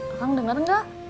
akang denger gak